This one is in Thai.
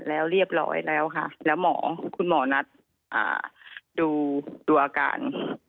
แล้วเรียบร้อยแล้วค่ะแล้วหมอคุณหมอนัดดูอาการ